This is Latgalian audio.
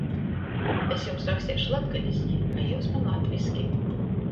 Es jums raksteišu latgaliski, a jius maņ latviski.